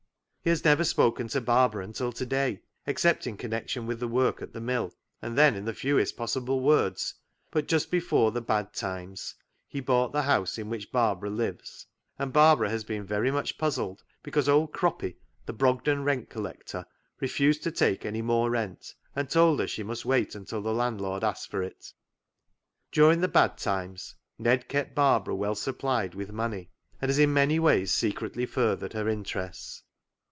He has never spoken to Barbara until to day — except in connection with the work at the mill, and then in the fewest possible words ; but just before the bad times he bought the house in which Barbara lives, and Barbara has been very much puzzled because old Croppy, the Brogden rent collector, refused to take any more rent, and told her she must wait until the landlord asked for it. " During the bad times Ned kept Barbara well supplied with money, and has in many ways secretly furthered her interests.